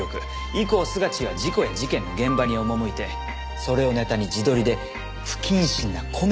以降スガチーは事故や事件の現場に赴いてそれをネタに自撮りで不謹慎なコメディーを連発。